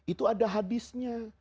itu ada hadisnya